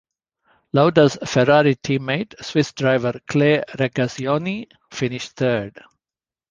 Lauda's Ferrari teammate, Swiss driver Clay Regazzoni finished third.